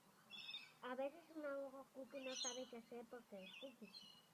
Su cabecera municipal es la ciudad del mismo nombre.